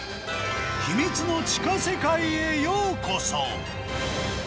秘密の地下世界へようこそ。